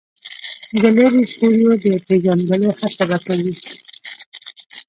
د لرې ستوریو د پېژندلو هڅه به کوي.